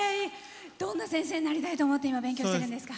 どんな先生になりたいと思って今、勉強してるんですか？